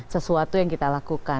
sesuatu yang kita lakukan